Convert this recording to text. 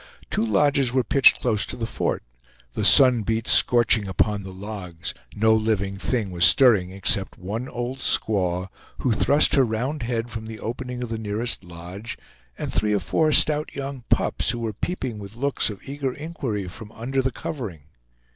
Two lodges were pitched close to the fort; the sun beat scorching upon the logs; no living thing was stirring except one old squaw, who thrust her round head from the opening of the nearest lodge, and three or four stout young pups, who were peeping with looks of eager inquiry from under the covering.